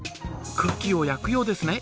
クッキーを焼くようですね。